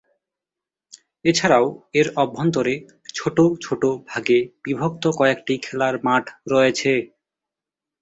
এছাড়াও এর অভ্যন্তরে ছোট ছোট ভাগে বিভক্ত কয়েকটি খেলার মাঠ রয়েছে।